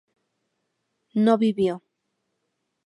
no vivió